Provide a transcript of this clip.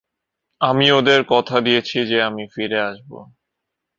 আমি ওদের কথা দিয়েছি যে আমি ফিরে আসব।